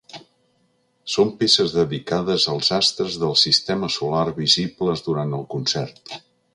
Són peces dedicades als astres del sistema solar visibles durant el concert.